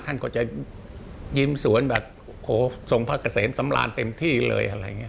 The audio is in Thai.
ท่านก็จะยิ้มสวนแบบโหทรงพระเกษตรสำราญเต็มที่เลย